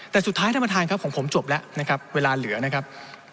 แต่สุดท้ายท่านประธานครับของผมจบแล้วนะครับเวลาเหลือนะครับ